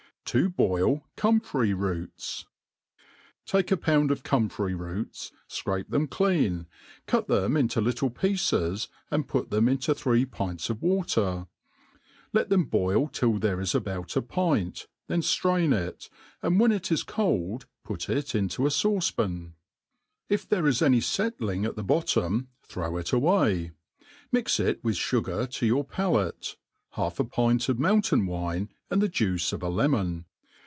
i *" To boil Comfrey 'Roots t TAKE a pound of comfrey roots, fcrape (hem clean, cuf them into little pieces, and put them into three pints of water. Let' them boil till there is about a pint, then ftrain it, and when it is cold, put it into a fauce pan. If there is .any fettling at the bottom, throw it away \ mix it with fugair to your palate, half a pint of molintain'^wine, and the juice! of a lemon.